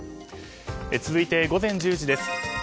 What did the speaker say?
続いて午前１０時です。